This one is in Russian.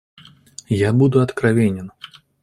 Я буду откровенен.